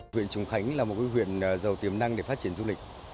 huyện trùng khánh là một huyện giàu tiềm năng để phát triển du lịch